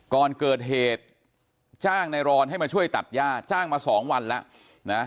ก่อนเกิดเหตุจ้างนายรอนให้มาช่วยตัดย่าจ้างมา๒วันแล้วนะ